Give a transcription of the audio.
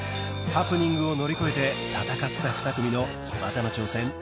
ハプニングを乗り越えて戦った２組のまたの挑戦